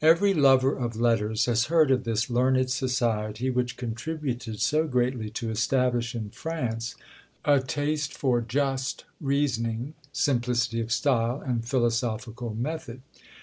Every lover of letters has heard of this learned society, which contributed so greatly to establish in France a taste for just reasoning, simplicity of style, and philosophical method.